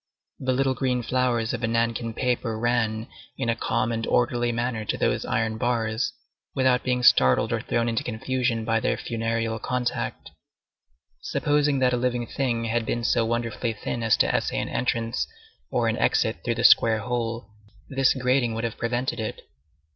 The little green flowers of the nankin paper ran in a calm and orderly manner to those iron bars, without being startled or thrown into confusion by their funereal contact. Supposing that a living being had been so wonderfully thin as to essay an entrance or an exit through the square hole, this grating would have prevented it.